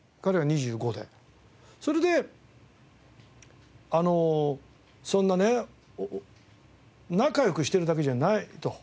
それであのそんなね仲良くしてるだけじゃないと。